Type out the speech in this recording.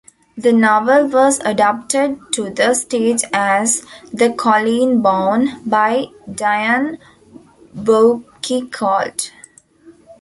The novel was adapted to the stage as "The Colleen Bawn", by Dion Boucicault.